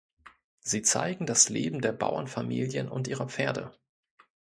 Sie zeigen das Leben der Bauernfamilien und ihrer Pferde.